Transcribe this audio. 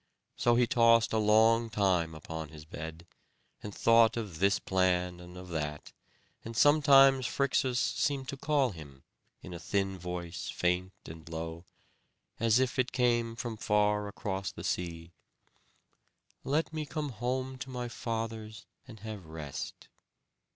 So he tossed a long time upon his bed, and thought of this plan and of that; and sometimes Phrixus seemed to call him, in a thin voice, faint and low, as if it came from far across the sea, "Let me come home to my fathers and have rest."